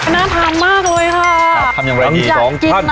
น่าทำมากเลยค่ะทำอย่างไรดี